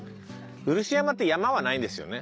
漆山っていう山はないんですよね？